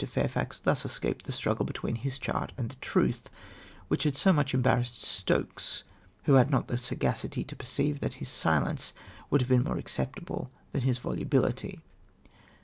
Fairfax thus escaped the struggle between his chart and the truth, wliicli had so much em barrassed Stokes, who had not the sagacity to perceive that his silence would have l^een more acceptable than his volubility.